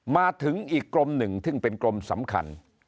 มาถึงอีกกรมหนึ่งซึ่งเป็นกรมสำคัญ